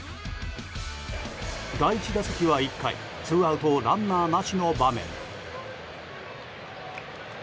第１打席は１回ツーアウトランナーなしの場面。